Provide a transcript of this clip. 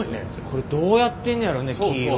これどうやってんねやろね木を。